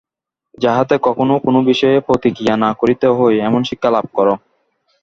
যাহাতে কখনও কোন বিষয়ে প্রতিক্রিয়া না করিতে হয়, এমন শিক্ষা লাভ কর।